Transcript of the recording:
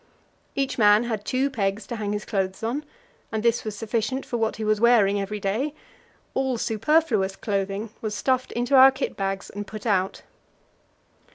Each man had two pegs to hang his clothes on, and this was sufficient for what he was wearing every day; all superfluous clothing was stuffed into our kit bags and put out.